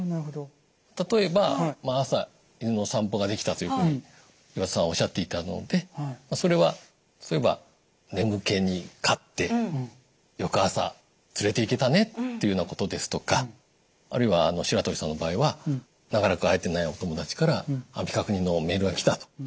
例えば「朝犬の散歩ができた」というふうに岩田さんおっしゃっていたのでそれは「そういえば眠気に勝って翌朝連れていけたね」っていうようなことですとかあるいは白鳥さんの場合は「長らく会えてないお友達から安否確認のメールがきた」と。